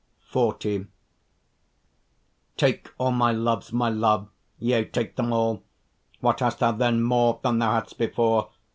XL Take all my loves, my love, yea take them all; What hast thou then more than thou hadst before?